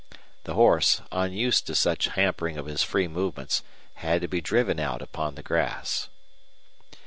The horse, unused to such hampering of his free movements, had to be driven out upon the grass.